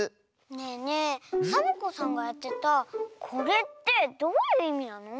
ねえねえサボ子さんがやってたこれってどういういみなの？